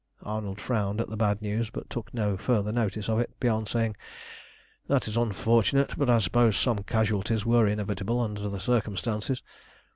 Arnold frowned at the bad news, but took no further notice of it beyond saying "That is unfortunate; but, I suppose, some casualties were inevitable under the circumstances."